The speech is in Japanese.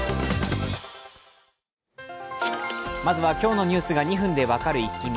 まずは今日のニュースが２分で分かるイッキ見。